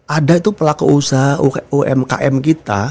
ada itu pelaku usaha umkm kita